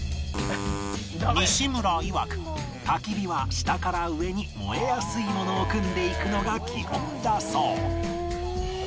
西村いわく焚き火は下から上に燃えやすいものを組んでいくのが基本だそう